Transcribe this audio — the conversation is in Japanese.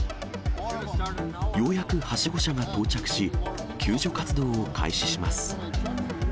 ようやくはしご車が到着し、救助活動を開始します。